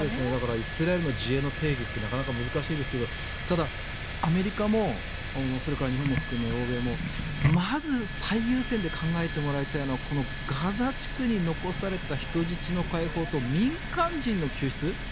イスラエルの自衛の定義ってなかなか難しいですがただ、アメリカもそれから日本も含め欧米もまず最優先で考えてもらいたいのはこのガザ地区に残された人質の解放と民間人の救出